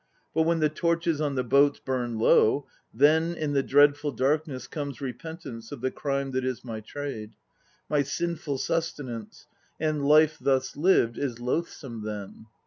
But when the torches on the boats burn low, Then, in the dreadful darkness comes repentance Of the crime that is my trade, My sinful sustenance; and life thus lived Is loathsome then.